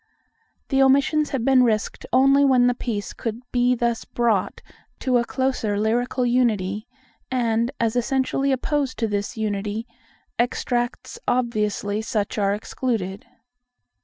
The omissions have been risked only when the piece could be thus brought to a closer lyrical unity; and, as essentially opposed to this unity, extracts obviously such are excluded.